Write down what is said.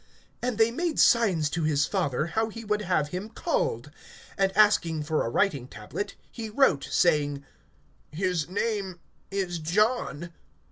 (62)And they made signs to his father, how he would have him called. (63)And asking for a writing tablet, he wrote, saying: His name is John.